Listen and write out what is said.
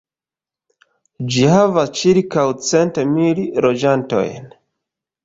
Ĝi havas ĉirkaŭ cent mil loĝantojn.